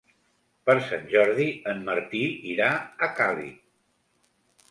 Per Sant Jordi en Martí irà a Càlig.